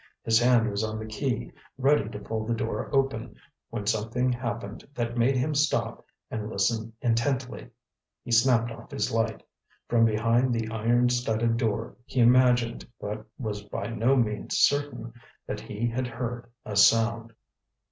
His hand was on the key, ready to pull the door open, when something happened that made him stop and listen intently. He snapped off his light. From behind the iron studded door he imagined—but was by no means certain—that he had heard a sound.